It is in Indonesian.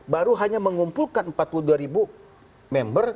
baru hanya mengumpulkan empat puluh dua ribu member